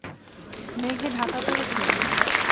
মেঘে ঢাকা পড়েছে।